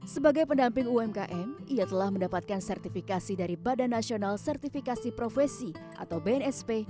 sebagai pendamping umkm ia telah mendapatkan sertifikasi dari badan nasional sertifikasi profesi atau bnsp